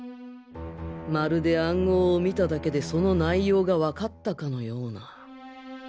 まるで暗号を見ただけでその内容がわかったかのような